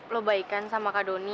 lo baikan sama kak doni